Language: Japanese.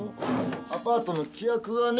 アパートの規約がね